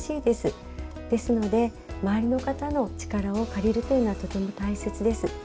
ですので周りの方の力を借りるというのはとても大切です。